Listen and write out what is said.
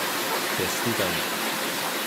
Besten Dank.